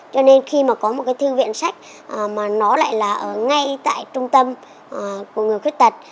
cho nên khi mà có một cái thư viện sách mà nó lại là ở ngay tại trung tâm của người khuyết tật